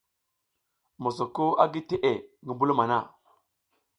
Mosoko a gi teʼe ngi mbulum hana.